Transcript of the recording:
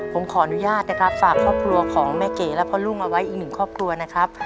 ผมขออนุญาตนะครับฝากครอบครัวของแม่เก๋และพ่อลุงเอาไว้อีกหนึ่งครอบครัวนะครับ